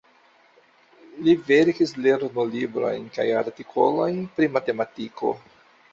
Li verkis lernolibrojn kaj artikolojn pri matematiko.